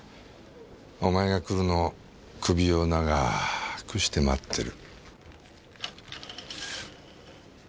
お前が来るのを首をながーくして待ってる。